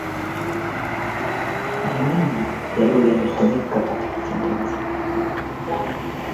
na Umoja wa Ulaya wamejipa kipindi cha